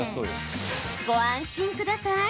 ご安心ください。